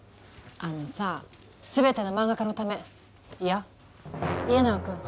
あのさ全ての漫画家のためいやイエナガ君。